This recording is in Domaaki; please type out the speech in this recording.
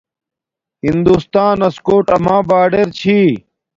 ہندوستانس کوٹ اما باڈر چھی